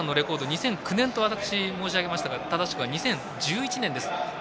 ２００９年と私、申し上げましたが正しくは２０１１年でした。